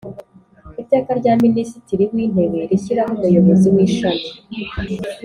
Iteka rya Minisitiri w’Intebe rishyiraho Umuyobozi w’Ishami